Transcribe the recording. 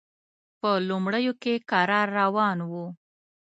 په لومړیو کې کرار روان و.